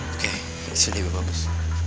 oke itu lebih bagus